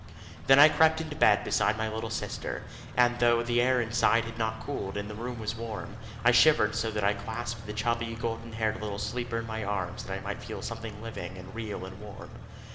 Then I crept into bed beside my little sister, and though the air inside had not cooled, and the room was warm, I shivered so that I clasped the chubby, golden haired little sleeper in my arms that I might feel something living and real and warm.